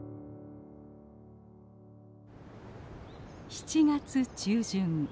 ７月中旬。